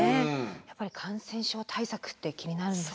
やっぱり感染症対策って気になるんですね。